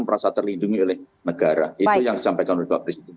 merasa terlindungi oleh negara itu yang disampaikan oleh pak presiden